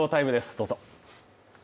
どうぞ。